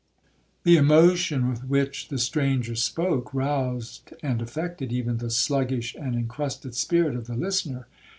'The emotion with which the stranger spoke, roused and affected even the sluggish and incrusted spirit of the listener.